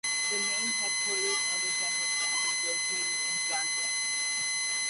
The main headquarters of the General Staff is located in Zagreb.